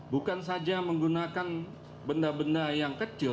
bukan saja menggunakan benda benda yang kecil